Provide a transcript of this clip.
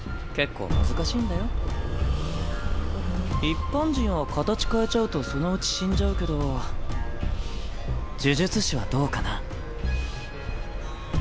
一般人は形変えちゃうとそのうち死んじゃうけど呪術師はどうかな？